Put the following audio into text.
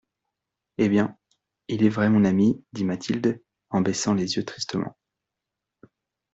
Eh bien ! il est vrai, mon ami, dit Mathilde en baissant les yeux tristement.